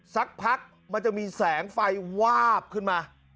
สักพักมันจะมีแสงไฟวาบขึ้นมา